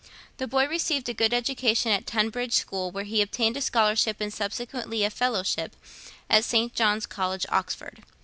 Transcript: The boy received a good education at Tunbridge School, whence he obtained a scholarship, and subsequently a fellowship, at St. John's College, Oxford.